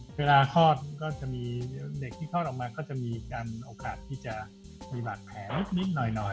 เวลาเด็กที่คอดออกมาก็จะมีอโอกาสที่มีบาดแผลนิดหน่อย